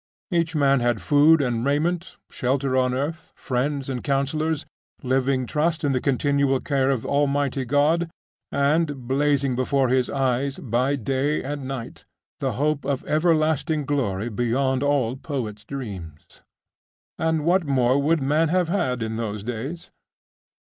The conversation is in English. Each man had food and raiment, shelter on earth, friends and counsellors, living trust in the continual care of Almighty God; and, blazing before his eyes, by day and night, the hope of everlasting glory beyond all poets' dreams.... And what more would man have had in those days?